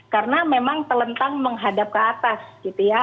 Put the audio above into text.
karena memang telentang menghadap ke atas gitu ya